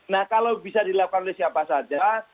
nah kalau bisa dilakukan oleh siapa saja